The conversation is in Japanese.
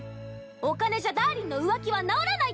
お金じゃダーリンの浮気はなおらないっちゃ。